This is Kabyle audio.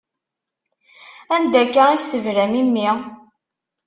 Anda akka i s-tebram i mmi?